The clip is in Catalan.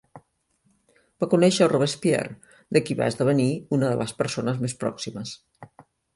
Va conèixer a Robespierre, de qui va esdevenir una de les persones més pròximes.